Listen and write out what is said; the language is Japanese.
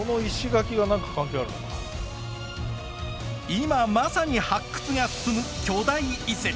今まさに発掘が進む巨大遺跡。